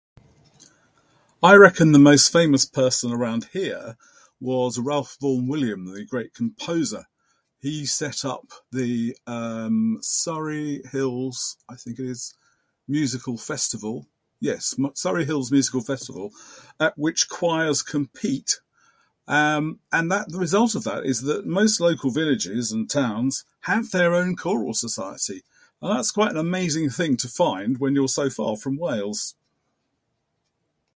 I reckon the most famous person around here was Ralph Vaughan Williams, the great composer. He set up the, um, Surrey Hills, I think it is, Musical Festival. Yes, n-Surrey Hills Musical Festival at which choirs compete. Um, and that the results of that is that most local villages and towns have their own choral society. Now that's quite an amazing thing to find when you're so far from Wales!